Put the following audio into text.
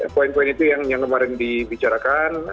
poin poin itu yang kemarin dibicarakan